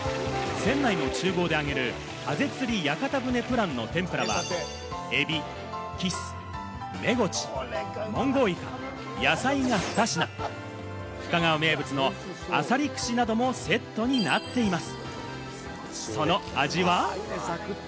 船内の厨房で揚げるハゼ釣り屋形船プランの天ぷらはエビ、キス、メゴチ、モンゴウイカ、野菜が２品、深川名物・アサリ串などもセットになっています。